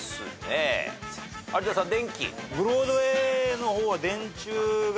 有田さん「電気」？